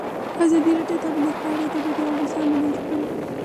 ازادي راډیو د امنیت په اړه د بریاوو مثالونه ورکړي.